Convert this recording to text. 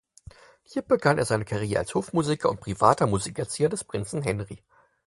Hier begann er seine Karriere als Hofmusiker und privater Musikerzieher des Prinzen Henry.